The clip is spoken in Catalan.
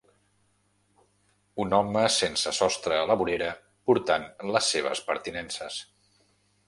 Un home sensesostre a la vorera portant les seves pertinences.